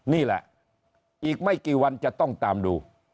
นี่แหละอีกไม่กี่วันจะต้องตามดู